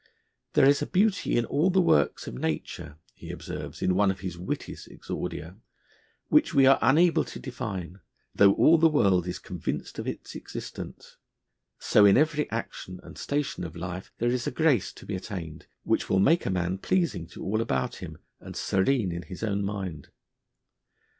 'There is a beauty in all the works of nature,' he observes in one of his wittiest exordia, 'which we are unable to define, though all the world is convinced of its existence: so in every action and station of life there is a grace to be attained, which will make a man pleasing to all about him and serene in his own mind.'